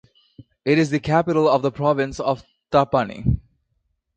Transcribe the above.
It is the capital of the Province of Trapani.